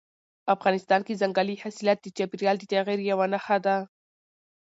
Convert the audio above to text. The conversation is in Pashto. افغانستان کې ځنګلي حاصلات د چاپېریال د تغیر یوه نښه ده.